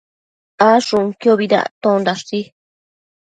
Ashunquiobi dactondashi